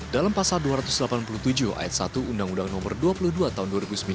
dalam pasal dua ratus delapan puluh tujuh ayat satu undang undang nomor dua puluh dua tahun dua ribu sembilan